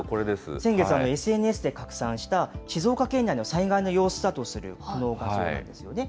先月、ＳＮＳで拡散した静岡県内の災害の様子だとするこの画像ですよね。